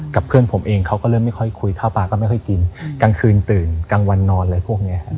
เพื่อนผมเองเขาก็เริ่มไม่ค่อยคุยข้าวปลาก็ไม่ค่อยกินกลางคืนตื่นกลางวันนอนอะไรพวกนี้